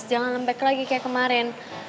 jalan lembek lagi kayak kemarin